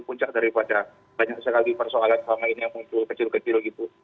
puncak daripada banyak sekali persoalan selama ini yang muncul kecil kecil gitu